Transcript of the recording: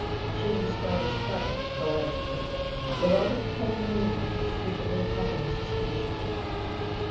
She is described as clever, though uneducated, with all the petty manoeuvring which frequently accompanies this condition.